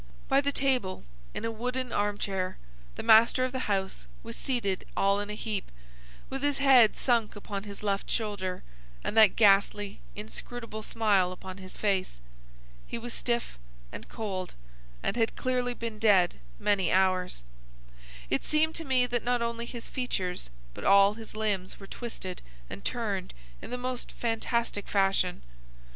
By the table, in a wooden arm chair, the master of the house was seated all in a heap, with his head sunk upon his left shoulder, and that ghastly, inscrutable smile upon his face. He was stiff and cold, and had clearly been dead many hours. It seemed to me that not only his features but all his limbs were twisted and turned in the most fantastic fashion.